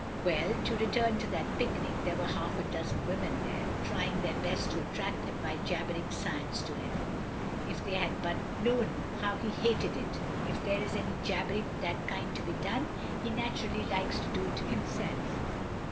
Well — ^to return to that picnic; there were half a dozen women there, trying their best to attract him by jabbering science to him. If they had but known how he hated it! If there is any jabbering of that kind to be done, he natu rally likes to do it himself.